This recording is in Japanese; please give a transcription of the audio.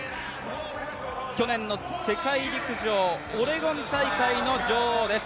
去年の世界陸上オレゴン大会の女王です。